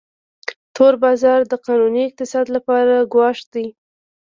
تور بازار د قانوني اقتصاد لپاره ګواښ دی